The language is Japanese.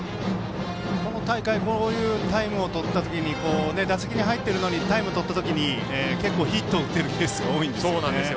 この大会こういうタイムをとった時に打席に入ってるのにタイムをとった時に結構、ヒットを打ってるケースが多いんですよね。